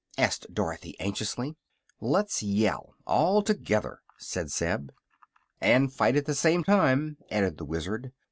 asked Dorothy, anxiously. "Let's yell all together," said Zeb. "And fight at the same time," added the Wizard.